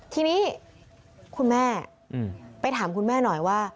ทีนี้คุณแม่ไปถามคุณแม่หน่อยว่า